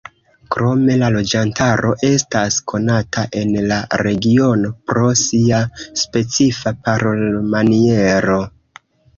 Krome la loĝantaro estas konata en la regiono pro sia specifa parolmaniero.